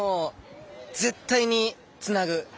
絶対につなぐ！